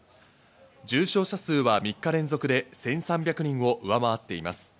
重症者数は３日連続で１３００人を上回っています。